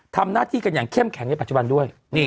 ทำหน้าที่กันอย่างเข้มแข็งในปัจจุบันด้วย